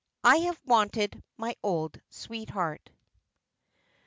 "I HAVE WANTED MY OLD SWEETHEART."